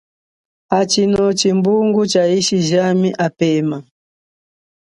Atshino tshimbungu tsha yishi jami apema.